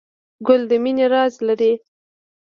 ګل د مینې راز لري.